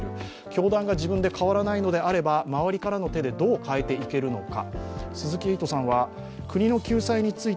教団が自分で変わらないのであれば周りからの手でどう変えていけるのか。